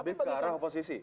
lebih ke arah oposisi